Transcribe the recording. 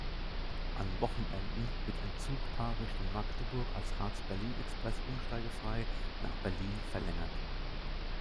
An Wochenenden wird ein Zugpaar Richtung Magdeburg als Harz-Berlin-Express umsteigefrei nach Berlin verlängert.